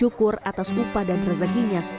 syukur atas upah dan rezekinya